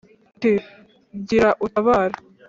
uti gira utabare